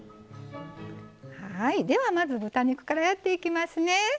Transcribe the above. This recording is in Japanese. まず豚肉からやっていきますね。